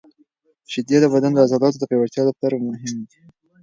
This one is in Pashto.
شیدې د بدن د عضلاتو د پیاوړتیا لپاره مهمې دي.